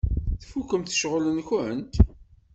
Tfukkemt ccɣel-nkent?